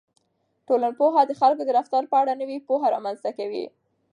ټولنپوهنه د خلکو د رفتار په اړه نوې پوهه رامنځته کوي.